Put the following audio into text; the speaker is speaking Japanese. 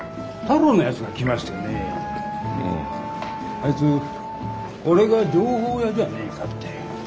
あいつ俺が情報屋じゃねえかって。